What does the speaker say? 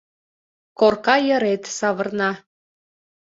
Корка йырет савырна.